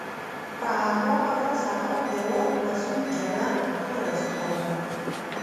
په هماغه ورځ سهار د وارډ مسؤل جګړن پوښتنه راڅخه وکړه.